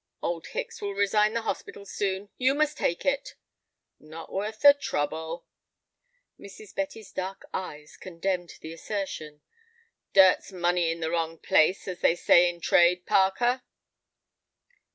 "Old Hicks will resign the Hospital soon; you must take it." "Not worth the trouble." Mrs. Betty's dark eyes condemned the assertion. "Dirt's money in the wrong place, as they say in trade, Parker."